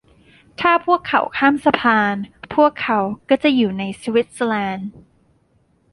ถ้าพวกเขาข้ามสะพาน พวกเขาก็จะอยู่ในสวิสเซอร์แลนด์